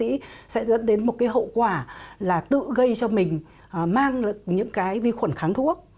thì sẽ dẫn đến một cái hậu quả là tự gây cho mình mang những cái vi khuẩn kháng thuốc